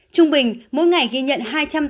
trung bình mỗi ngày ghi nhận hai trăm tám mươi bốn ca